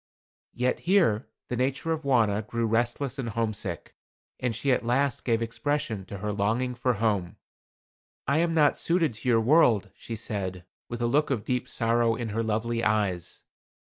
Yet here the nature of Wauna grew restless and homesick, and she at last gave expression to her longing for home. "I am not suited to your world," she said, with a look of deep sorrow in her lovely eyes.